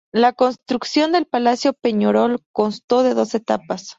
La construcción del Palacio Peñarol constó de dos etapas.